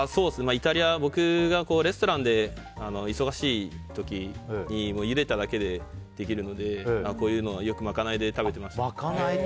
イタリア、僕がレストランで忙しい時にゆでるだけでできるのでこういうのはよく、まかないで食べてました。